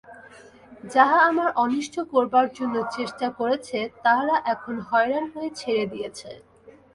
যারা আমার অনিষ্ট করবার জন্য চেষ্টা করেছে, তারা এখন হয়রান হয়ে ছেড়ে দিয়েছে।